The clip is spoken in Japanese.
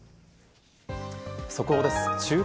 速報です。